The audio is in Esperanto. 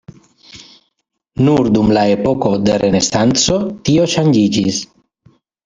Nur dum la epoko de renesanco tio ŝanĝiĝis.